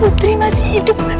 putri masih hidup